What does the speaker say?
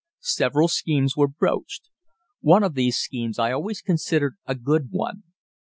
Several schemes were broached. One of these schemes I always considered a good one.